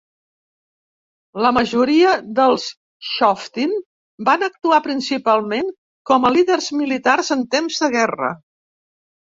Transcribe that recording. La majoria dels "shoftim" van actuar principalment com a líders militars en temps de guerra.